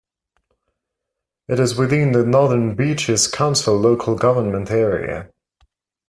It is within the Northern Beaches Council local government area.